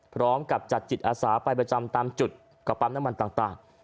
พร้อมกับจัดจิตอาสาไปประจำตามจุดกับปั๊มน้ำมันต่าง